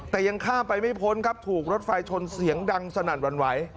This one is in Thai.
แต่ยังข้ามไปไม่พ้นครับถูกรถไฟชนเสียงดังสนั่นหวั่นไหว